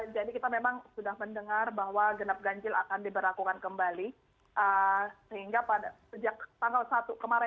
jadi kita memang sudah mendengar bahwa genap ganjil akan diberlakukan kembali